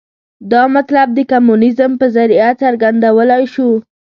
دا مطلب د کمونیزم په ذریعه څرګندولای شو.